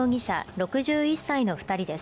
６１歳の二人です